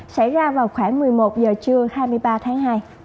xảy ra vào khoảng một mươi một giờ trưa hai mươi ba tháng hai